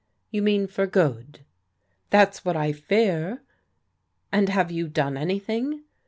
"You mean for good?" " That's what I fear." "And have you done an)rthing?"